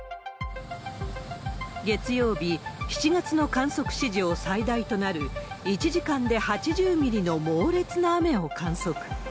月曜日、７月の観測史上最大となる１時間で８０ミリの猛烈な雨を観測。